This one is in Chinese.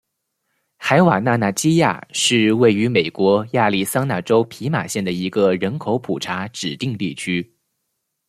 海瓦纳纳基亚是位于美国亚利桑那州皮马县的一个人口普查指定地区。